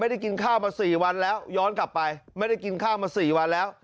กินข้าวมา๔วันแล้วย้อนกลับไปไม่ได้กินข้าวมา๔วันแล้ว